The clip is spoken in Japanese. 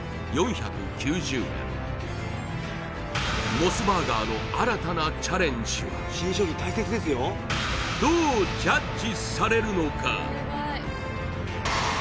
モスバーガーの新たなチャレンジはどうジャッジされるのか？